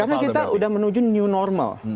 karena kita sudah menuju new normal